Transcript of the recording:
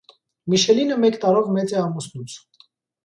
Միշելինը մեկ տարով մեծ է ամուսնուց։